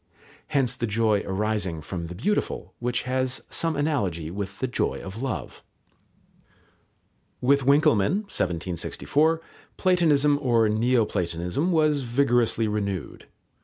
Hence the joy arising from the beautiful, which has some analogy with the joy of love. With Winckelmann (1764) Platonism or Neo platonism was vigorously renewed.